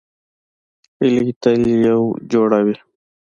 هیلۍ تل یو جوړ وي